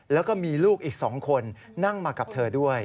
แล้วก็มีลูกอีก๒คนนั่งมากับเธอด้วย